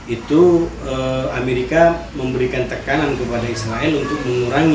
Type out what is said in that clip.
itu amerika memberikan tekanan kepada israel untuk mengurangi